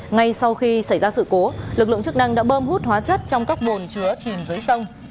ngay sau khi xảy ra sự cố lực lượng chức năng đã bơm hút hóa chất trong các bồn chứa chìm dưới sông